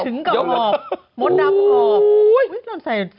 ถึงกับหอบมดดับหอบโอ้ยโอ้ยเราใส่เสื้อข่าวของกัน